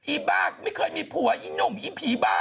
บ้าไม่เคยมีผัวอีหนุ่มอีผีบ้า